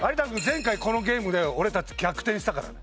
前回このゲームで俺たち逆転したからね。